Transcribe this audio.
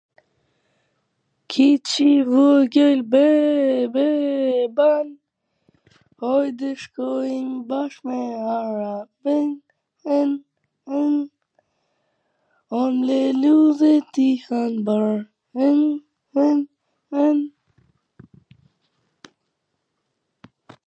kiC i vogwl be be ban, hajde shkojmw bashk nw ara, tin, tin, tin, un mledh lule ti han bar, tin, tin, tin,